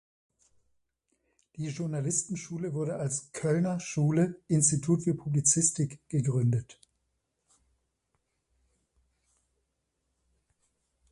Die Journalistenschule wurde als "Kölner Schule, Institut für Publizistik" gegründet.